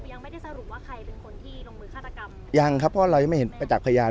ยังไม่ได้สรุปว่าใครเป็นคนที่ลงมือฆาตกรรมยังครับเพราะเรายังไม่เห็นประจักษ์พยาน